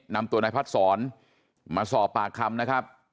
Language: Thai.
นำตัวนายพัดศรมาสอบปากคำนะครับ